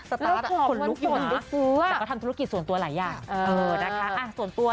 และทำธนภาษาลงกีศส่วนตัวหลายอย่าง